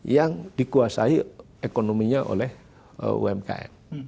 yang dikuasai ekonominya oleh umkm